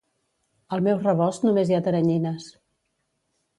Al meu rebost només hi ha teranyines